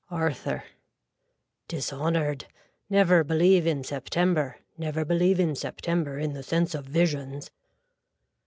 (Arthur.) Dishonored. Never believe in September. Never believe in September in the sense of visions.